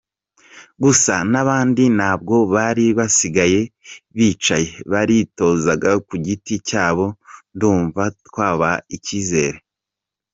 Gusa n’abandi ntabwo bari basigaye bicaye baritozaga ku giti cyabo, ndumva twabaha icyizere.